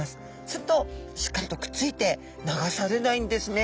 するとしっかりとくっついて流されないんですね。